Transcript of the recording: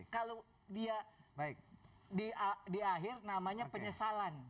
kalau dia di akhir namanya penyesalan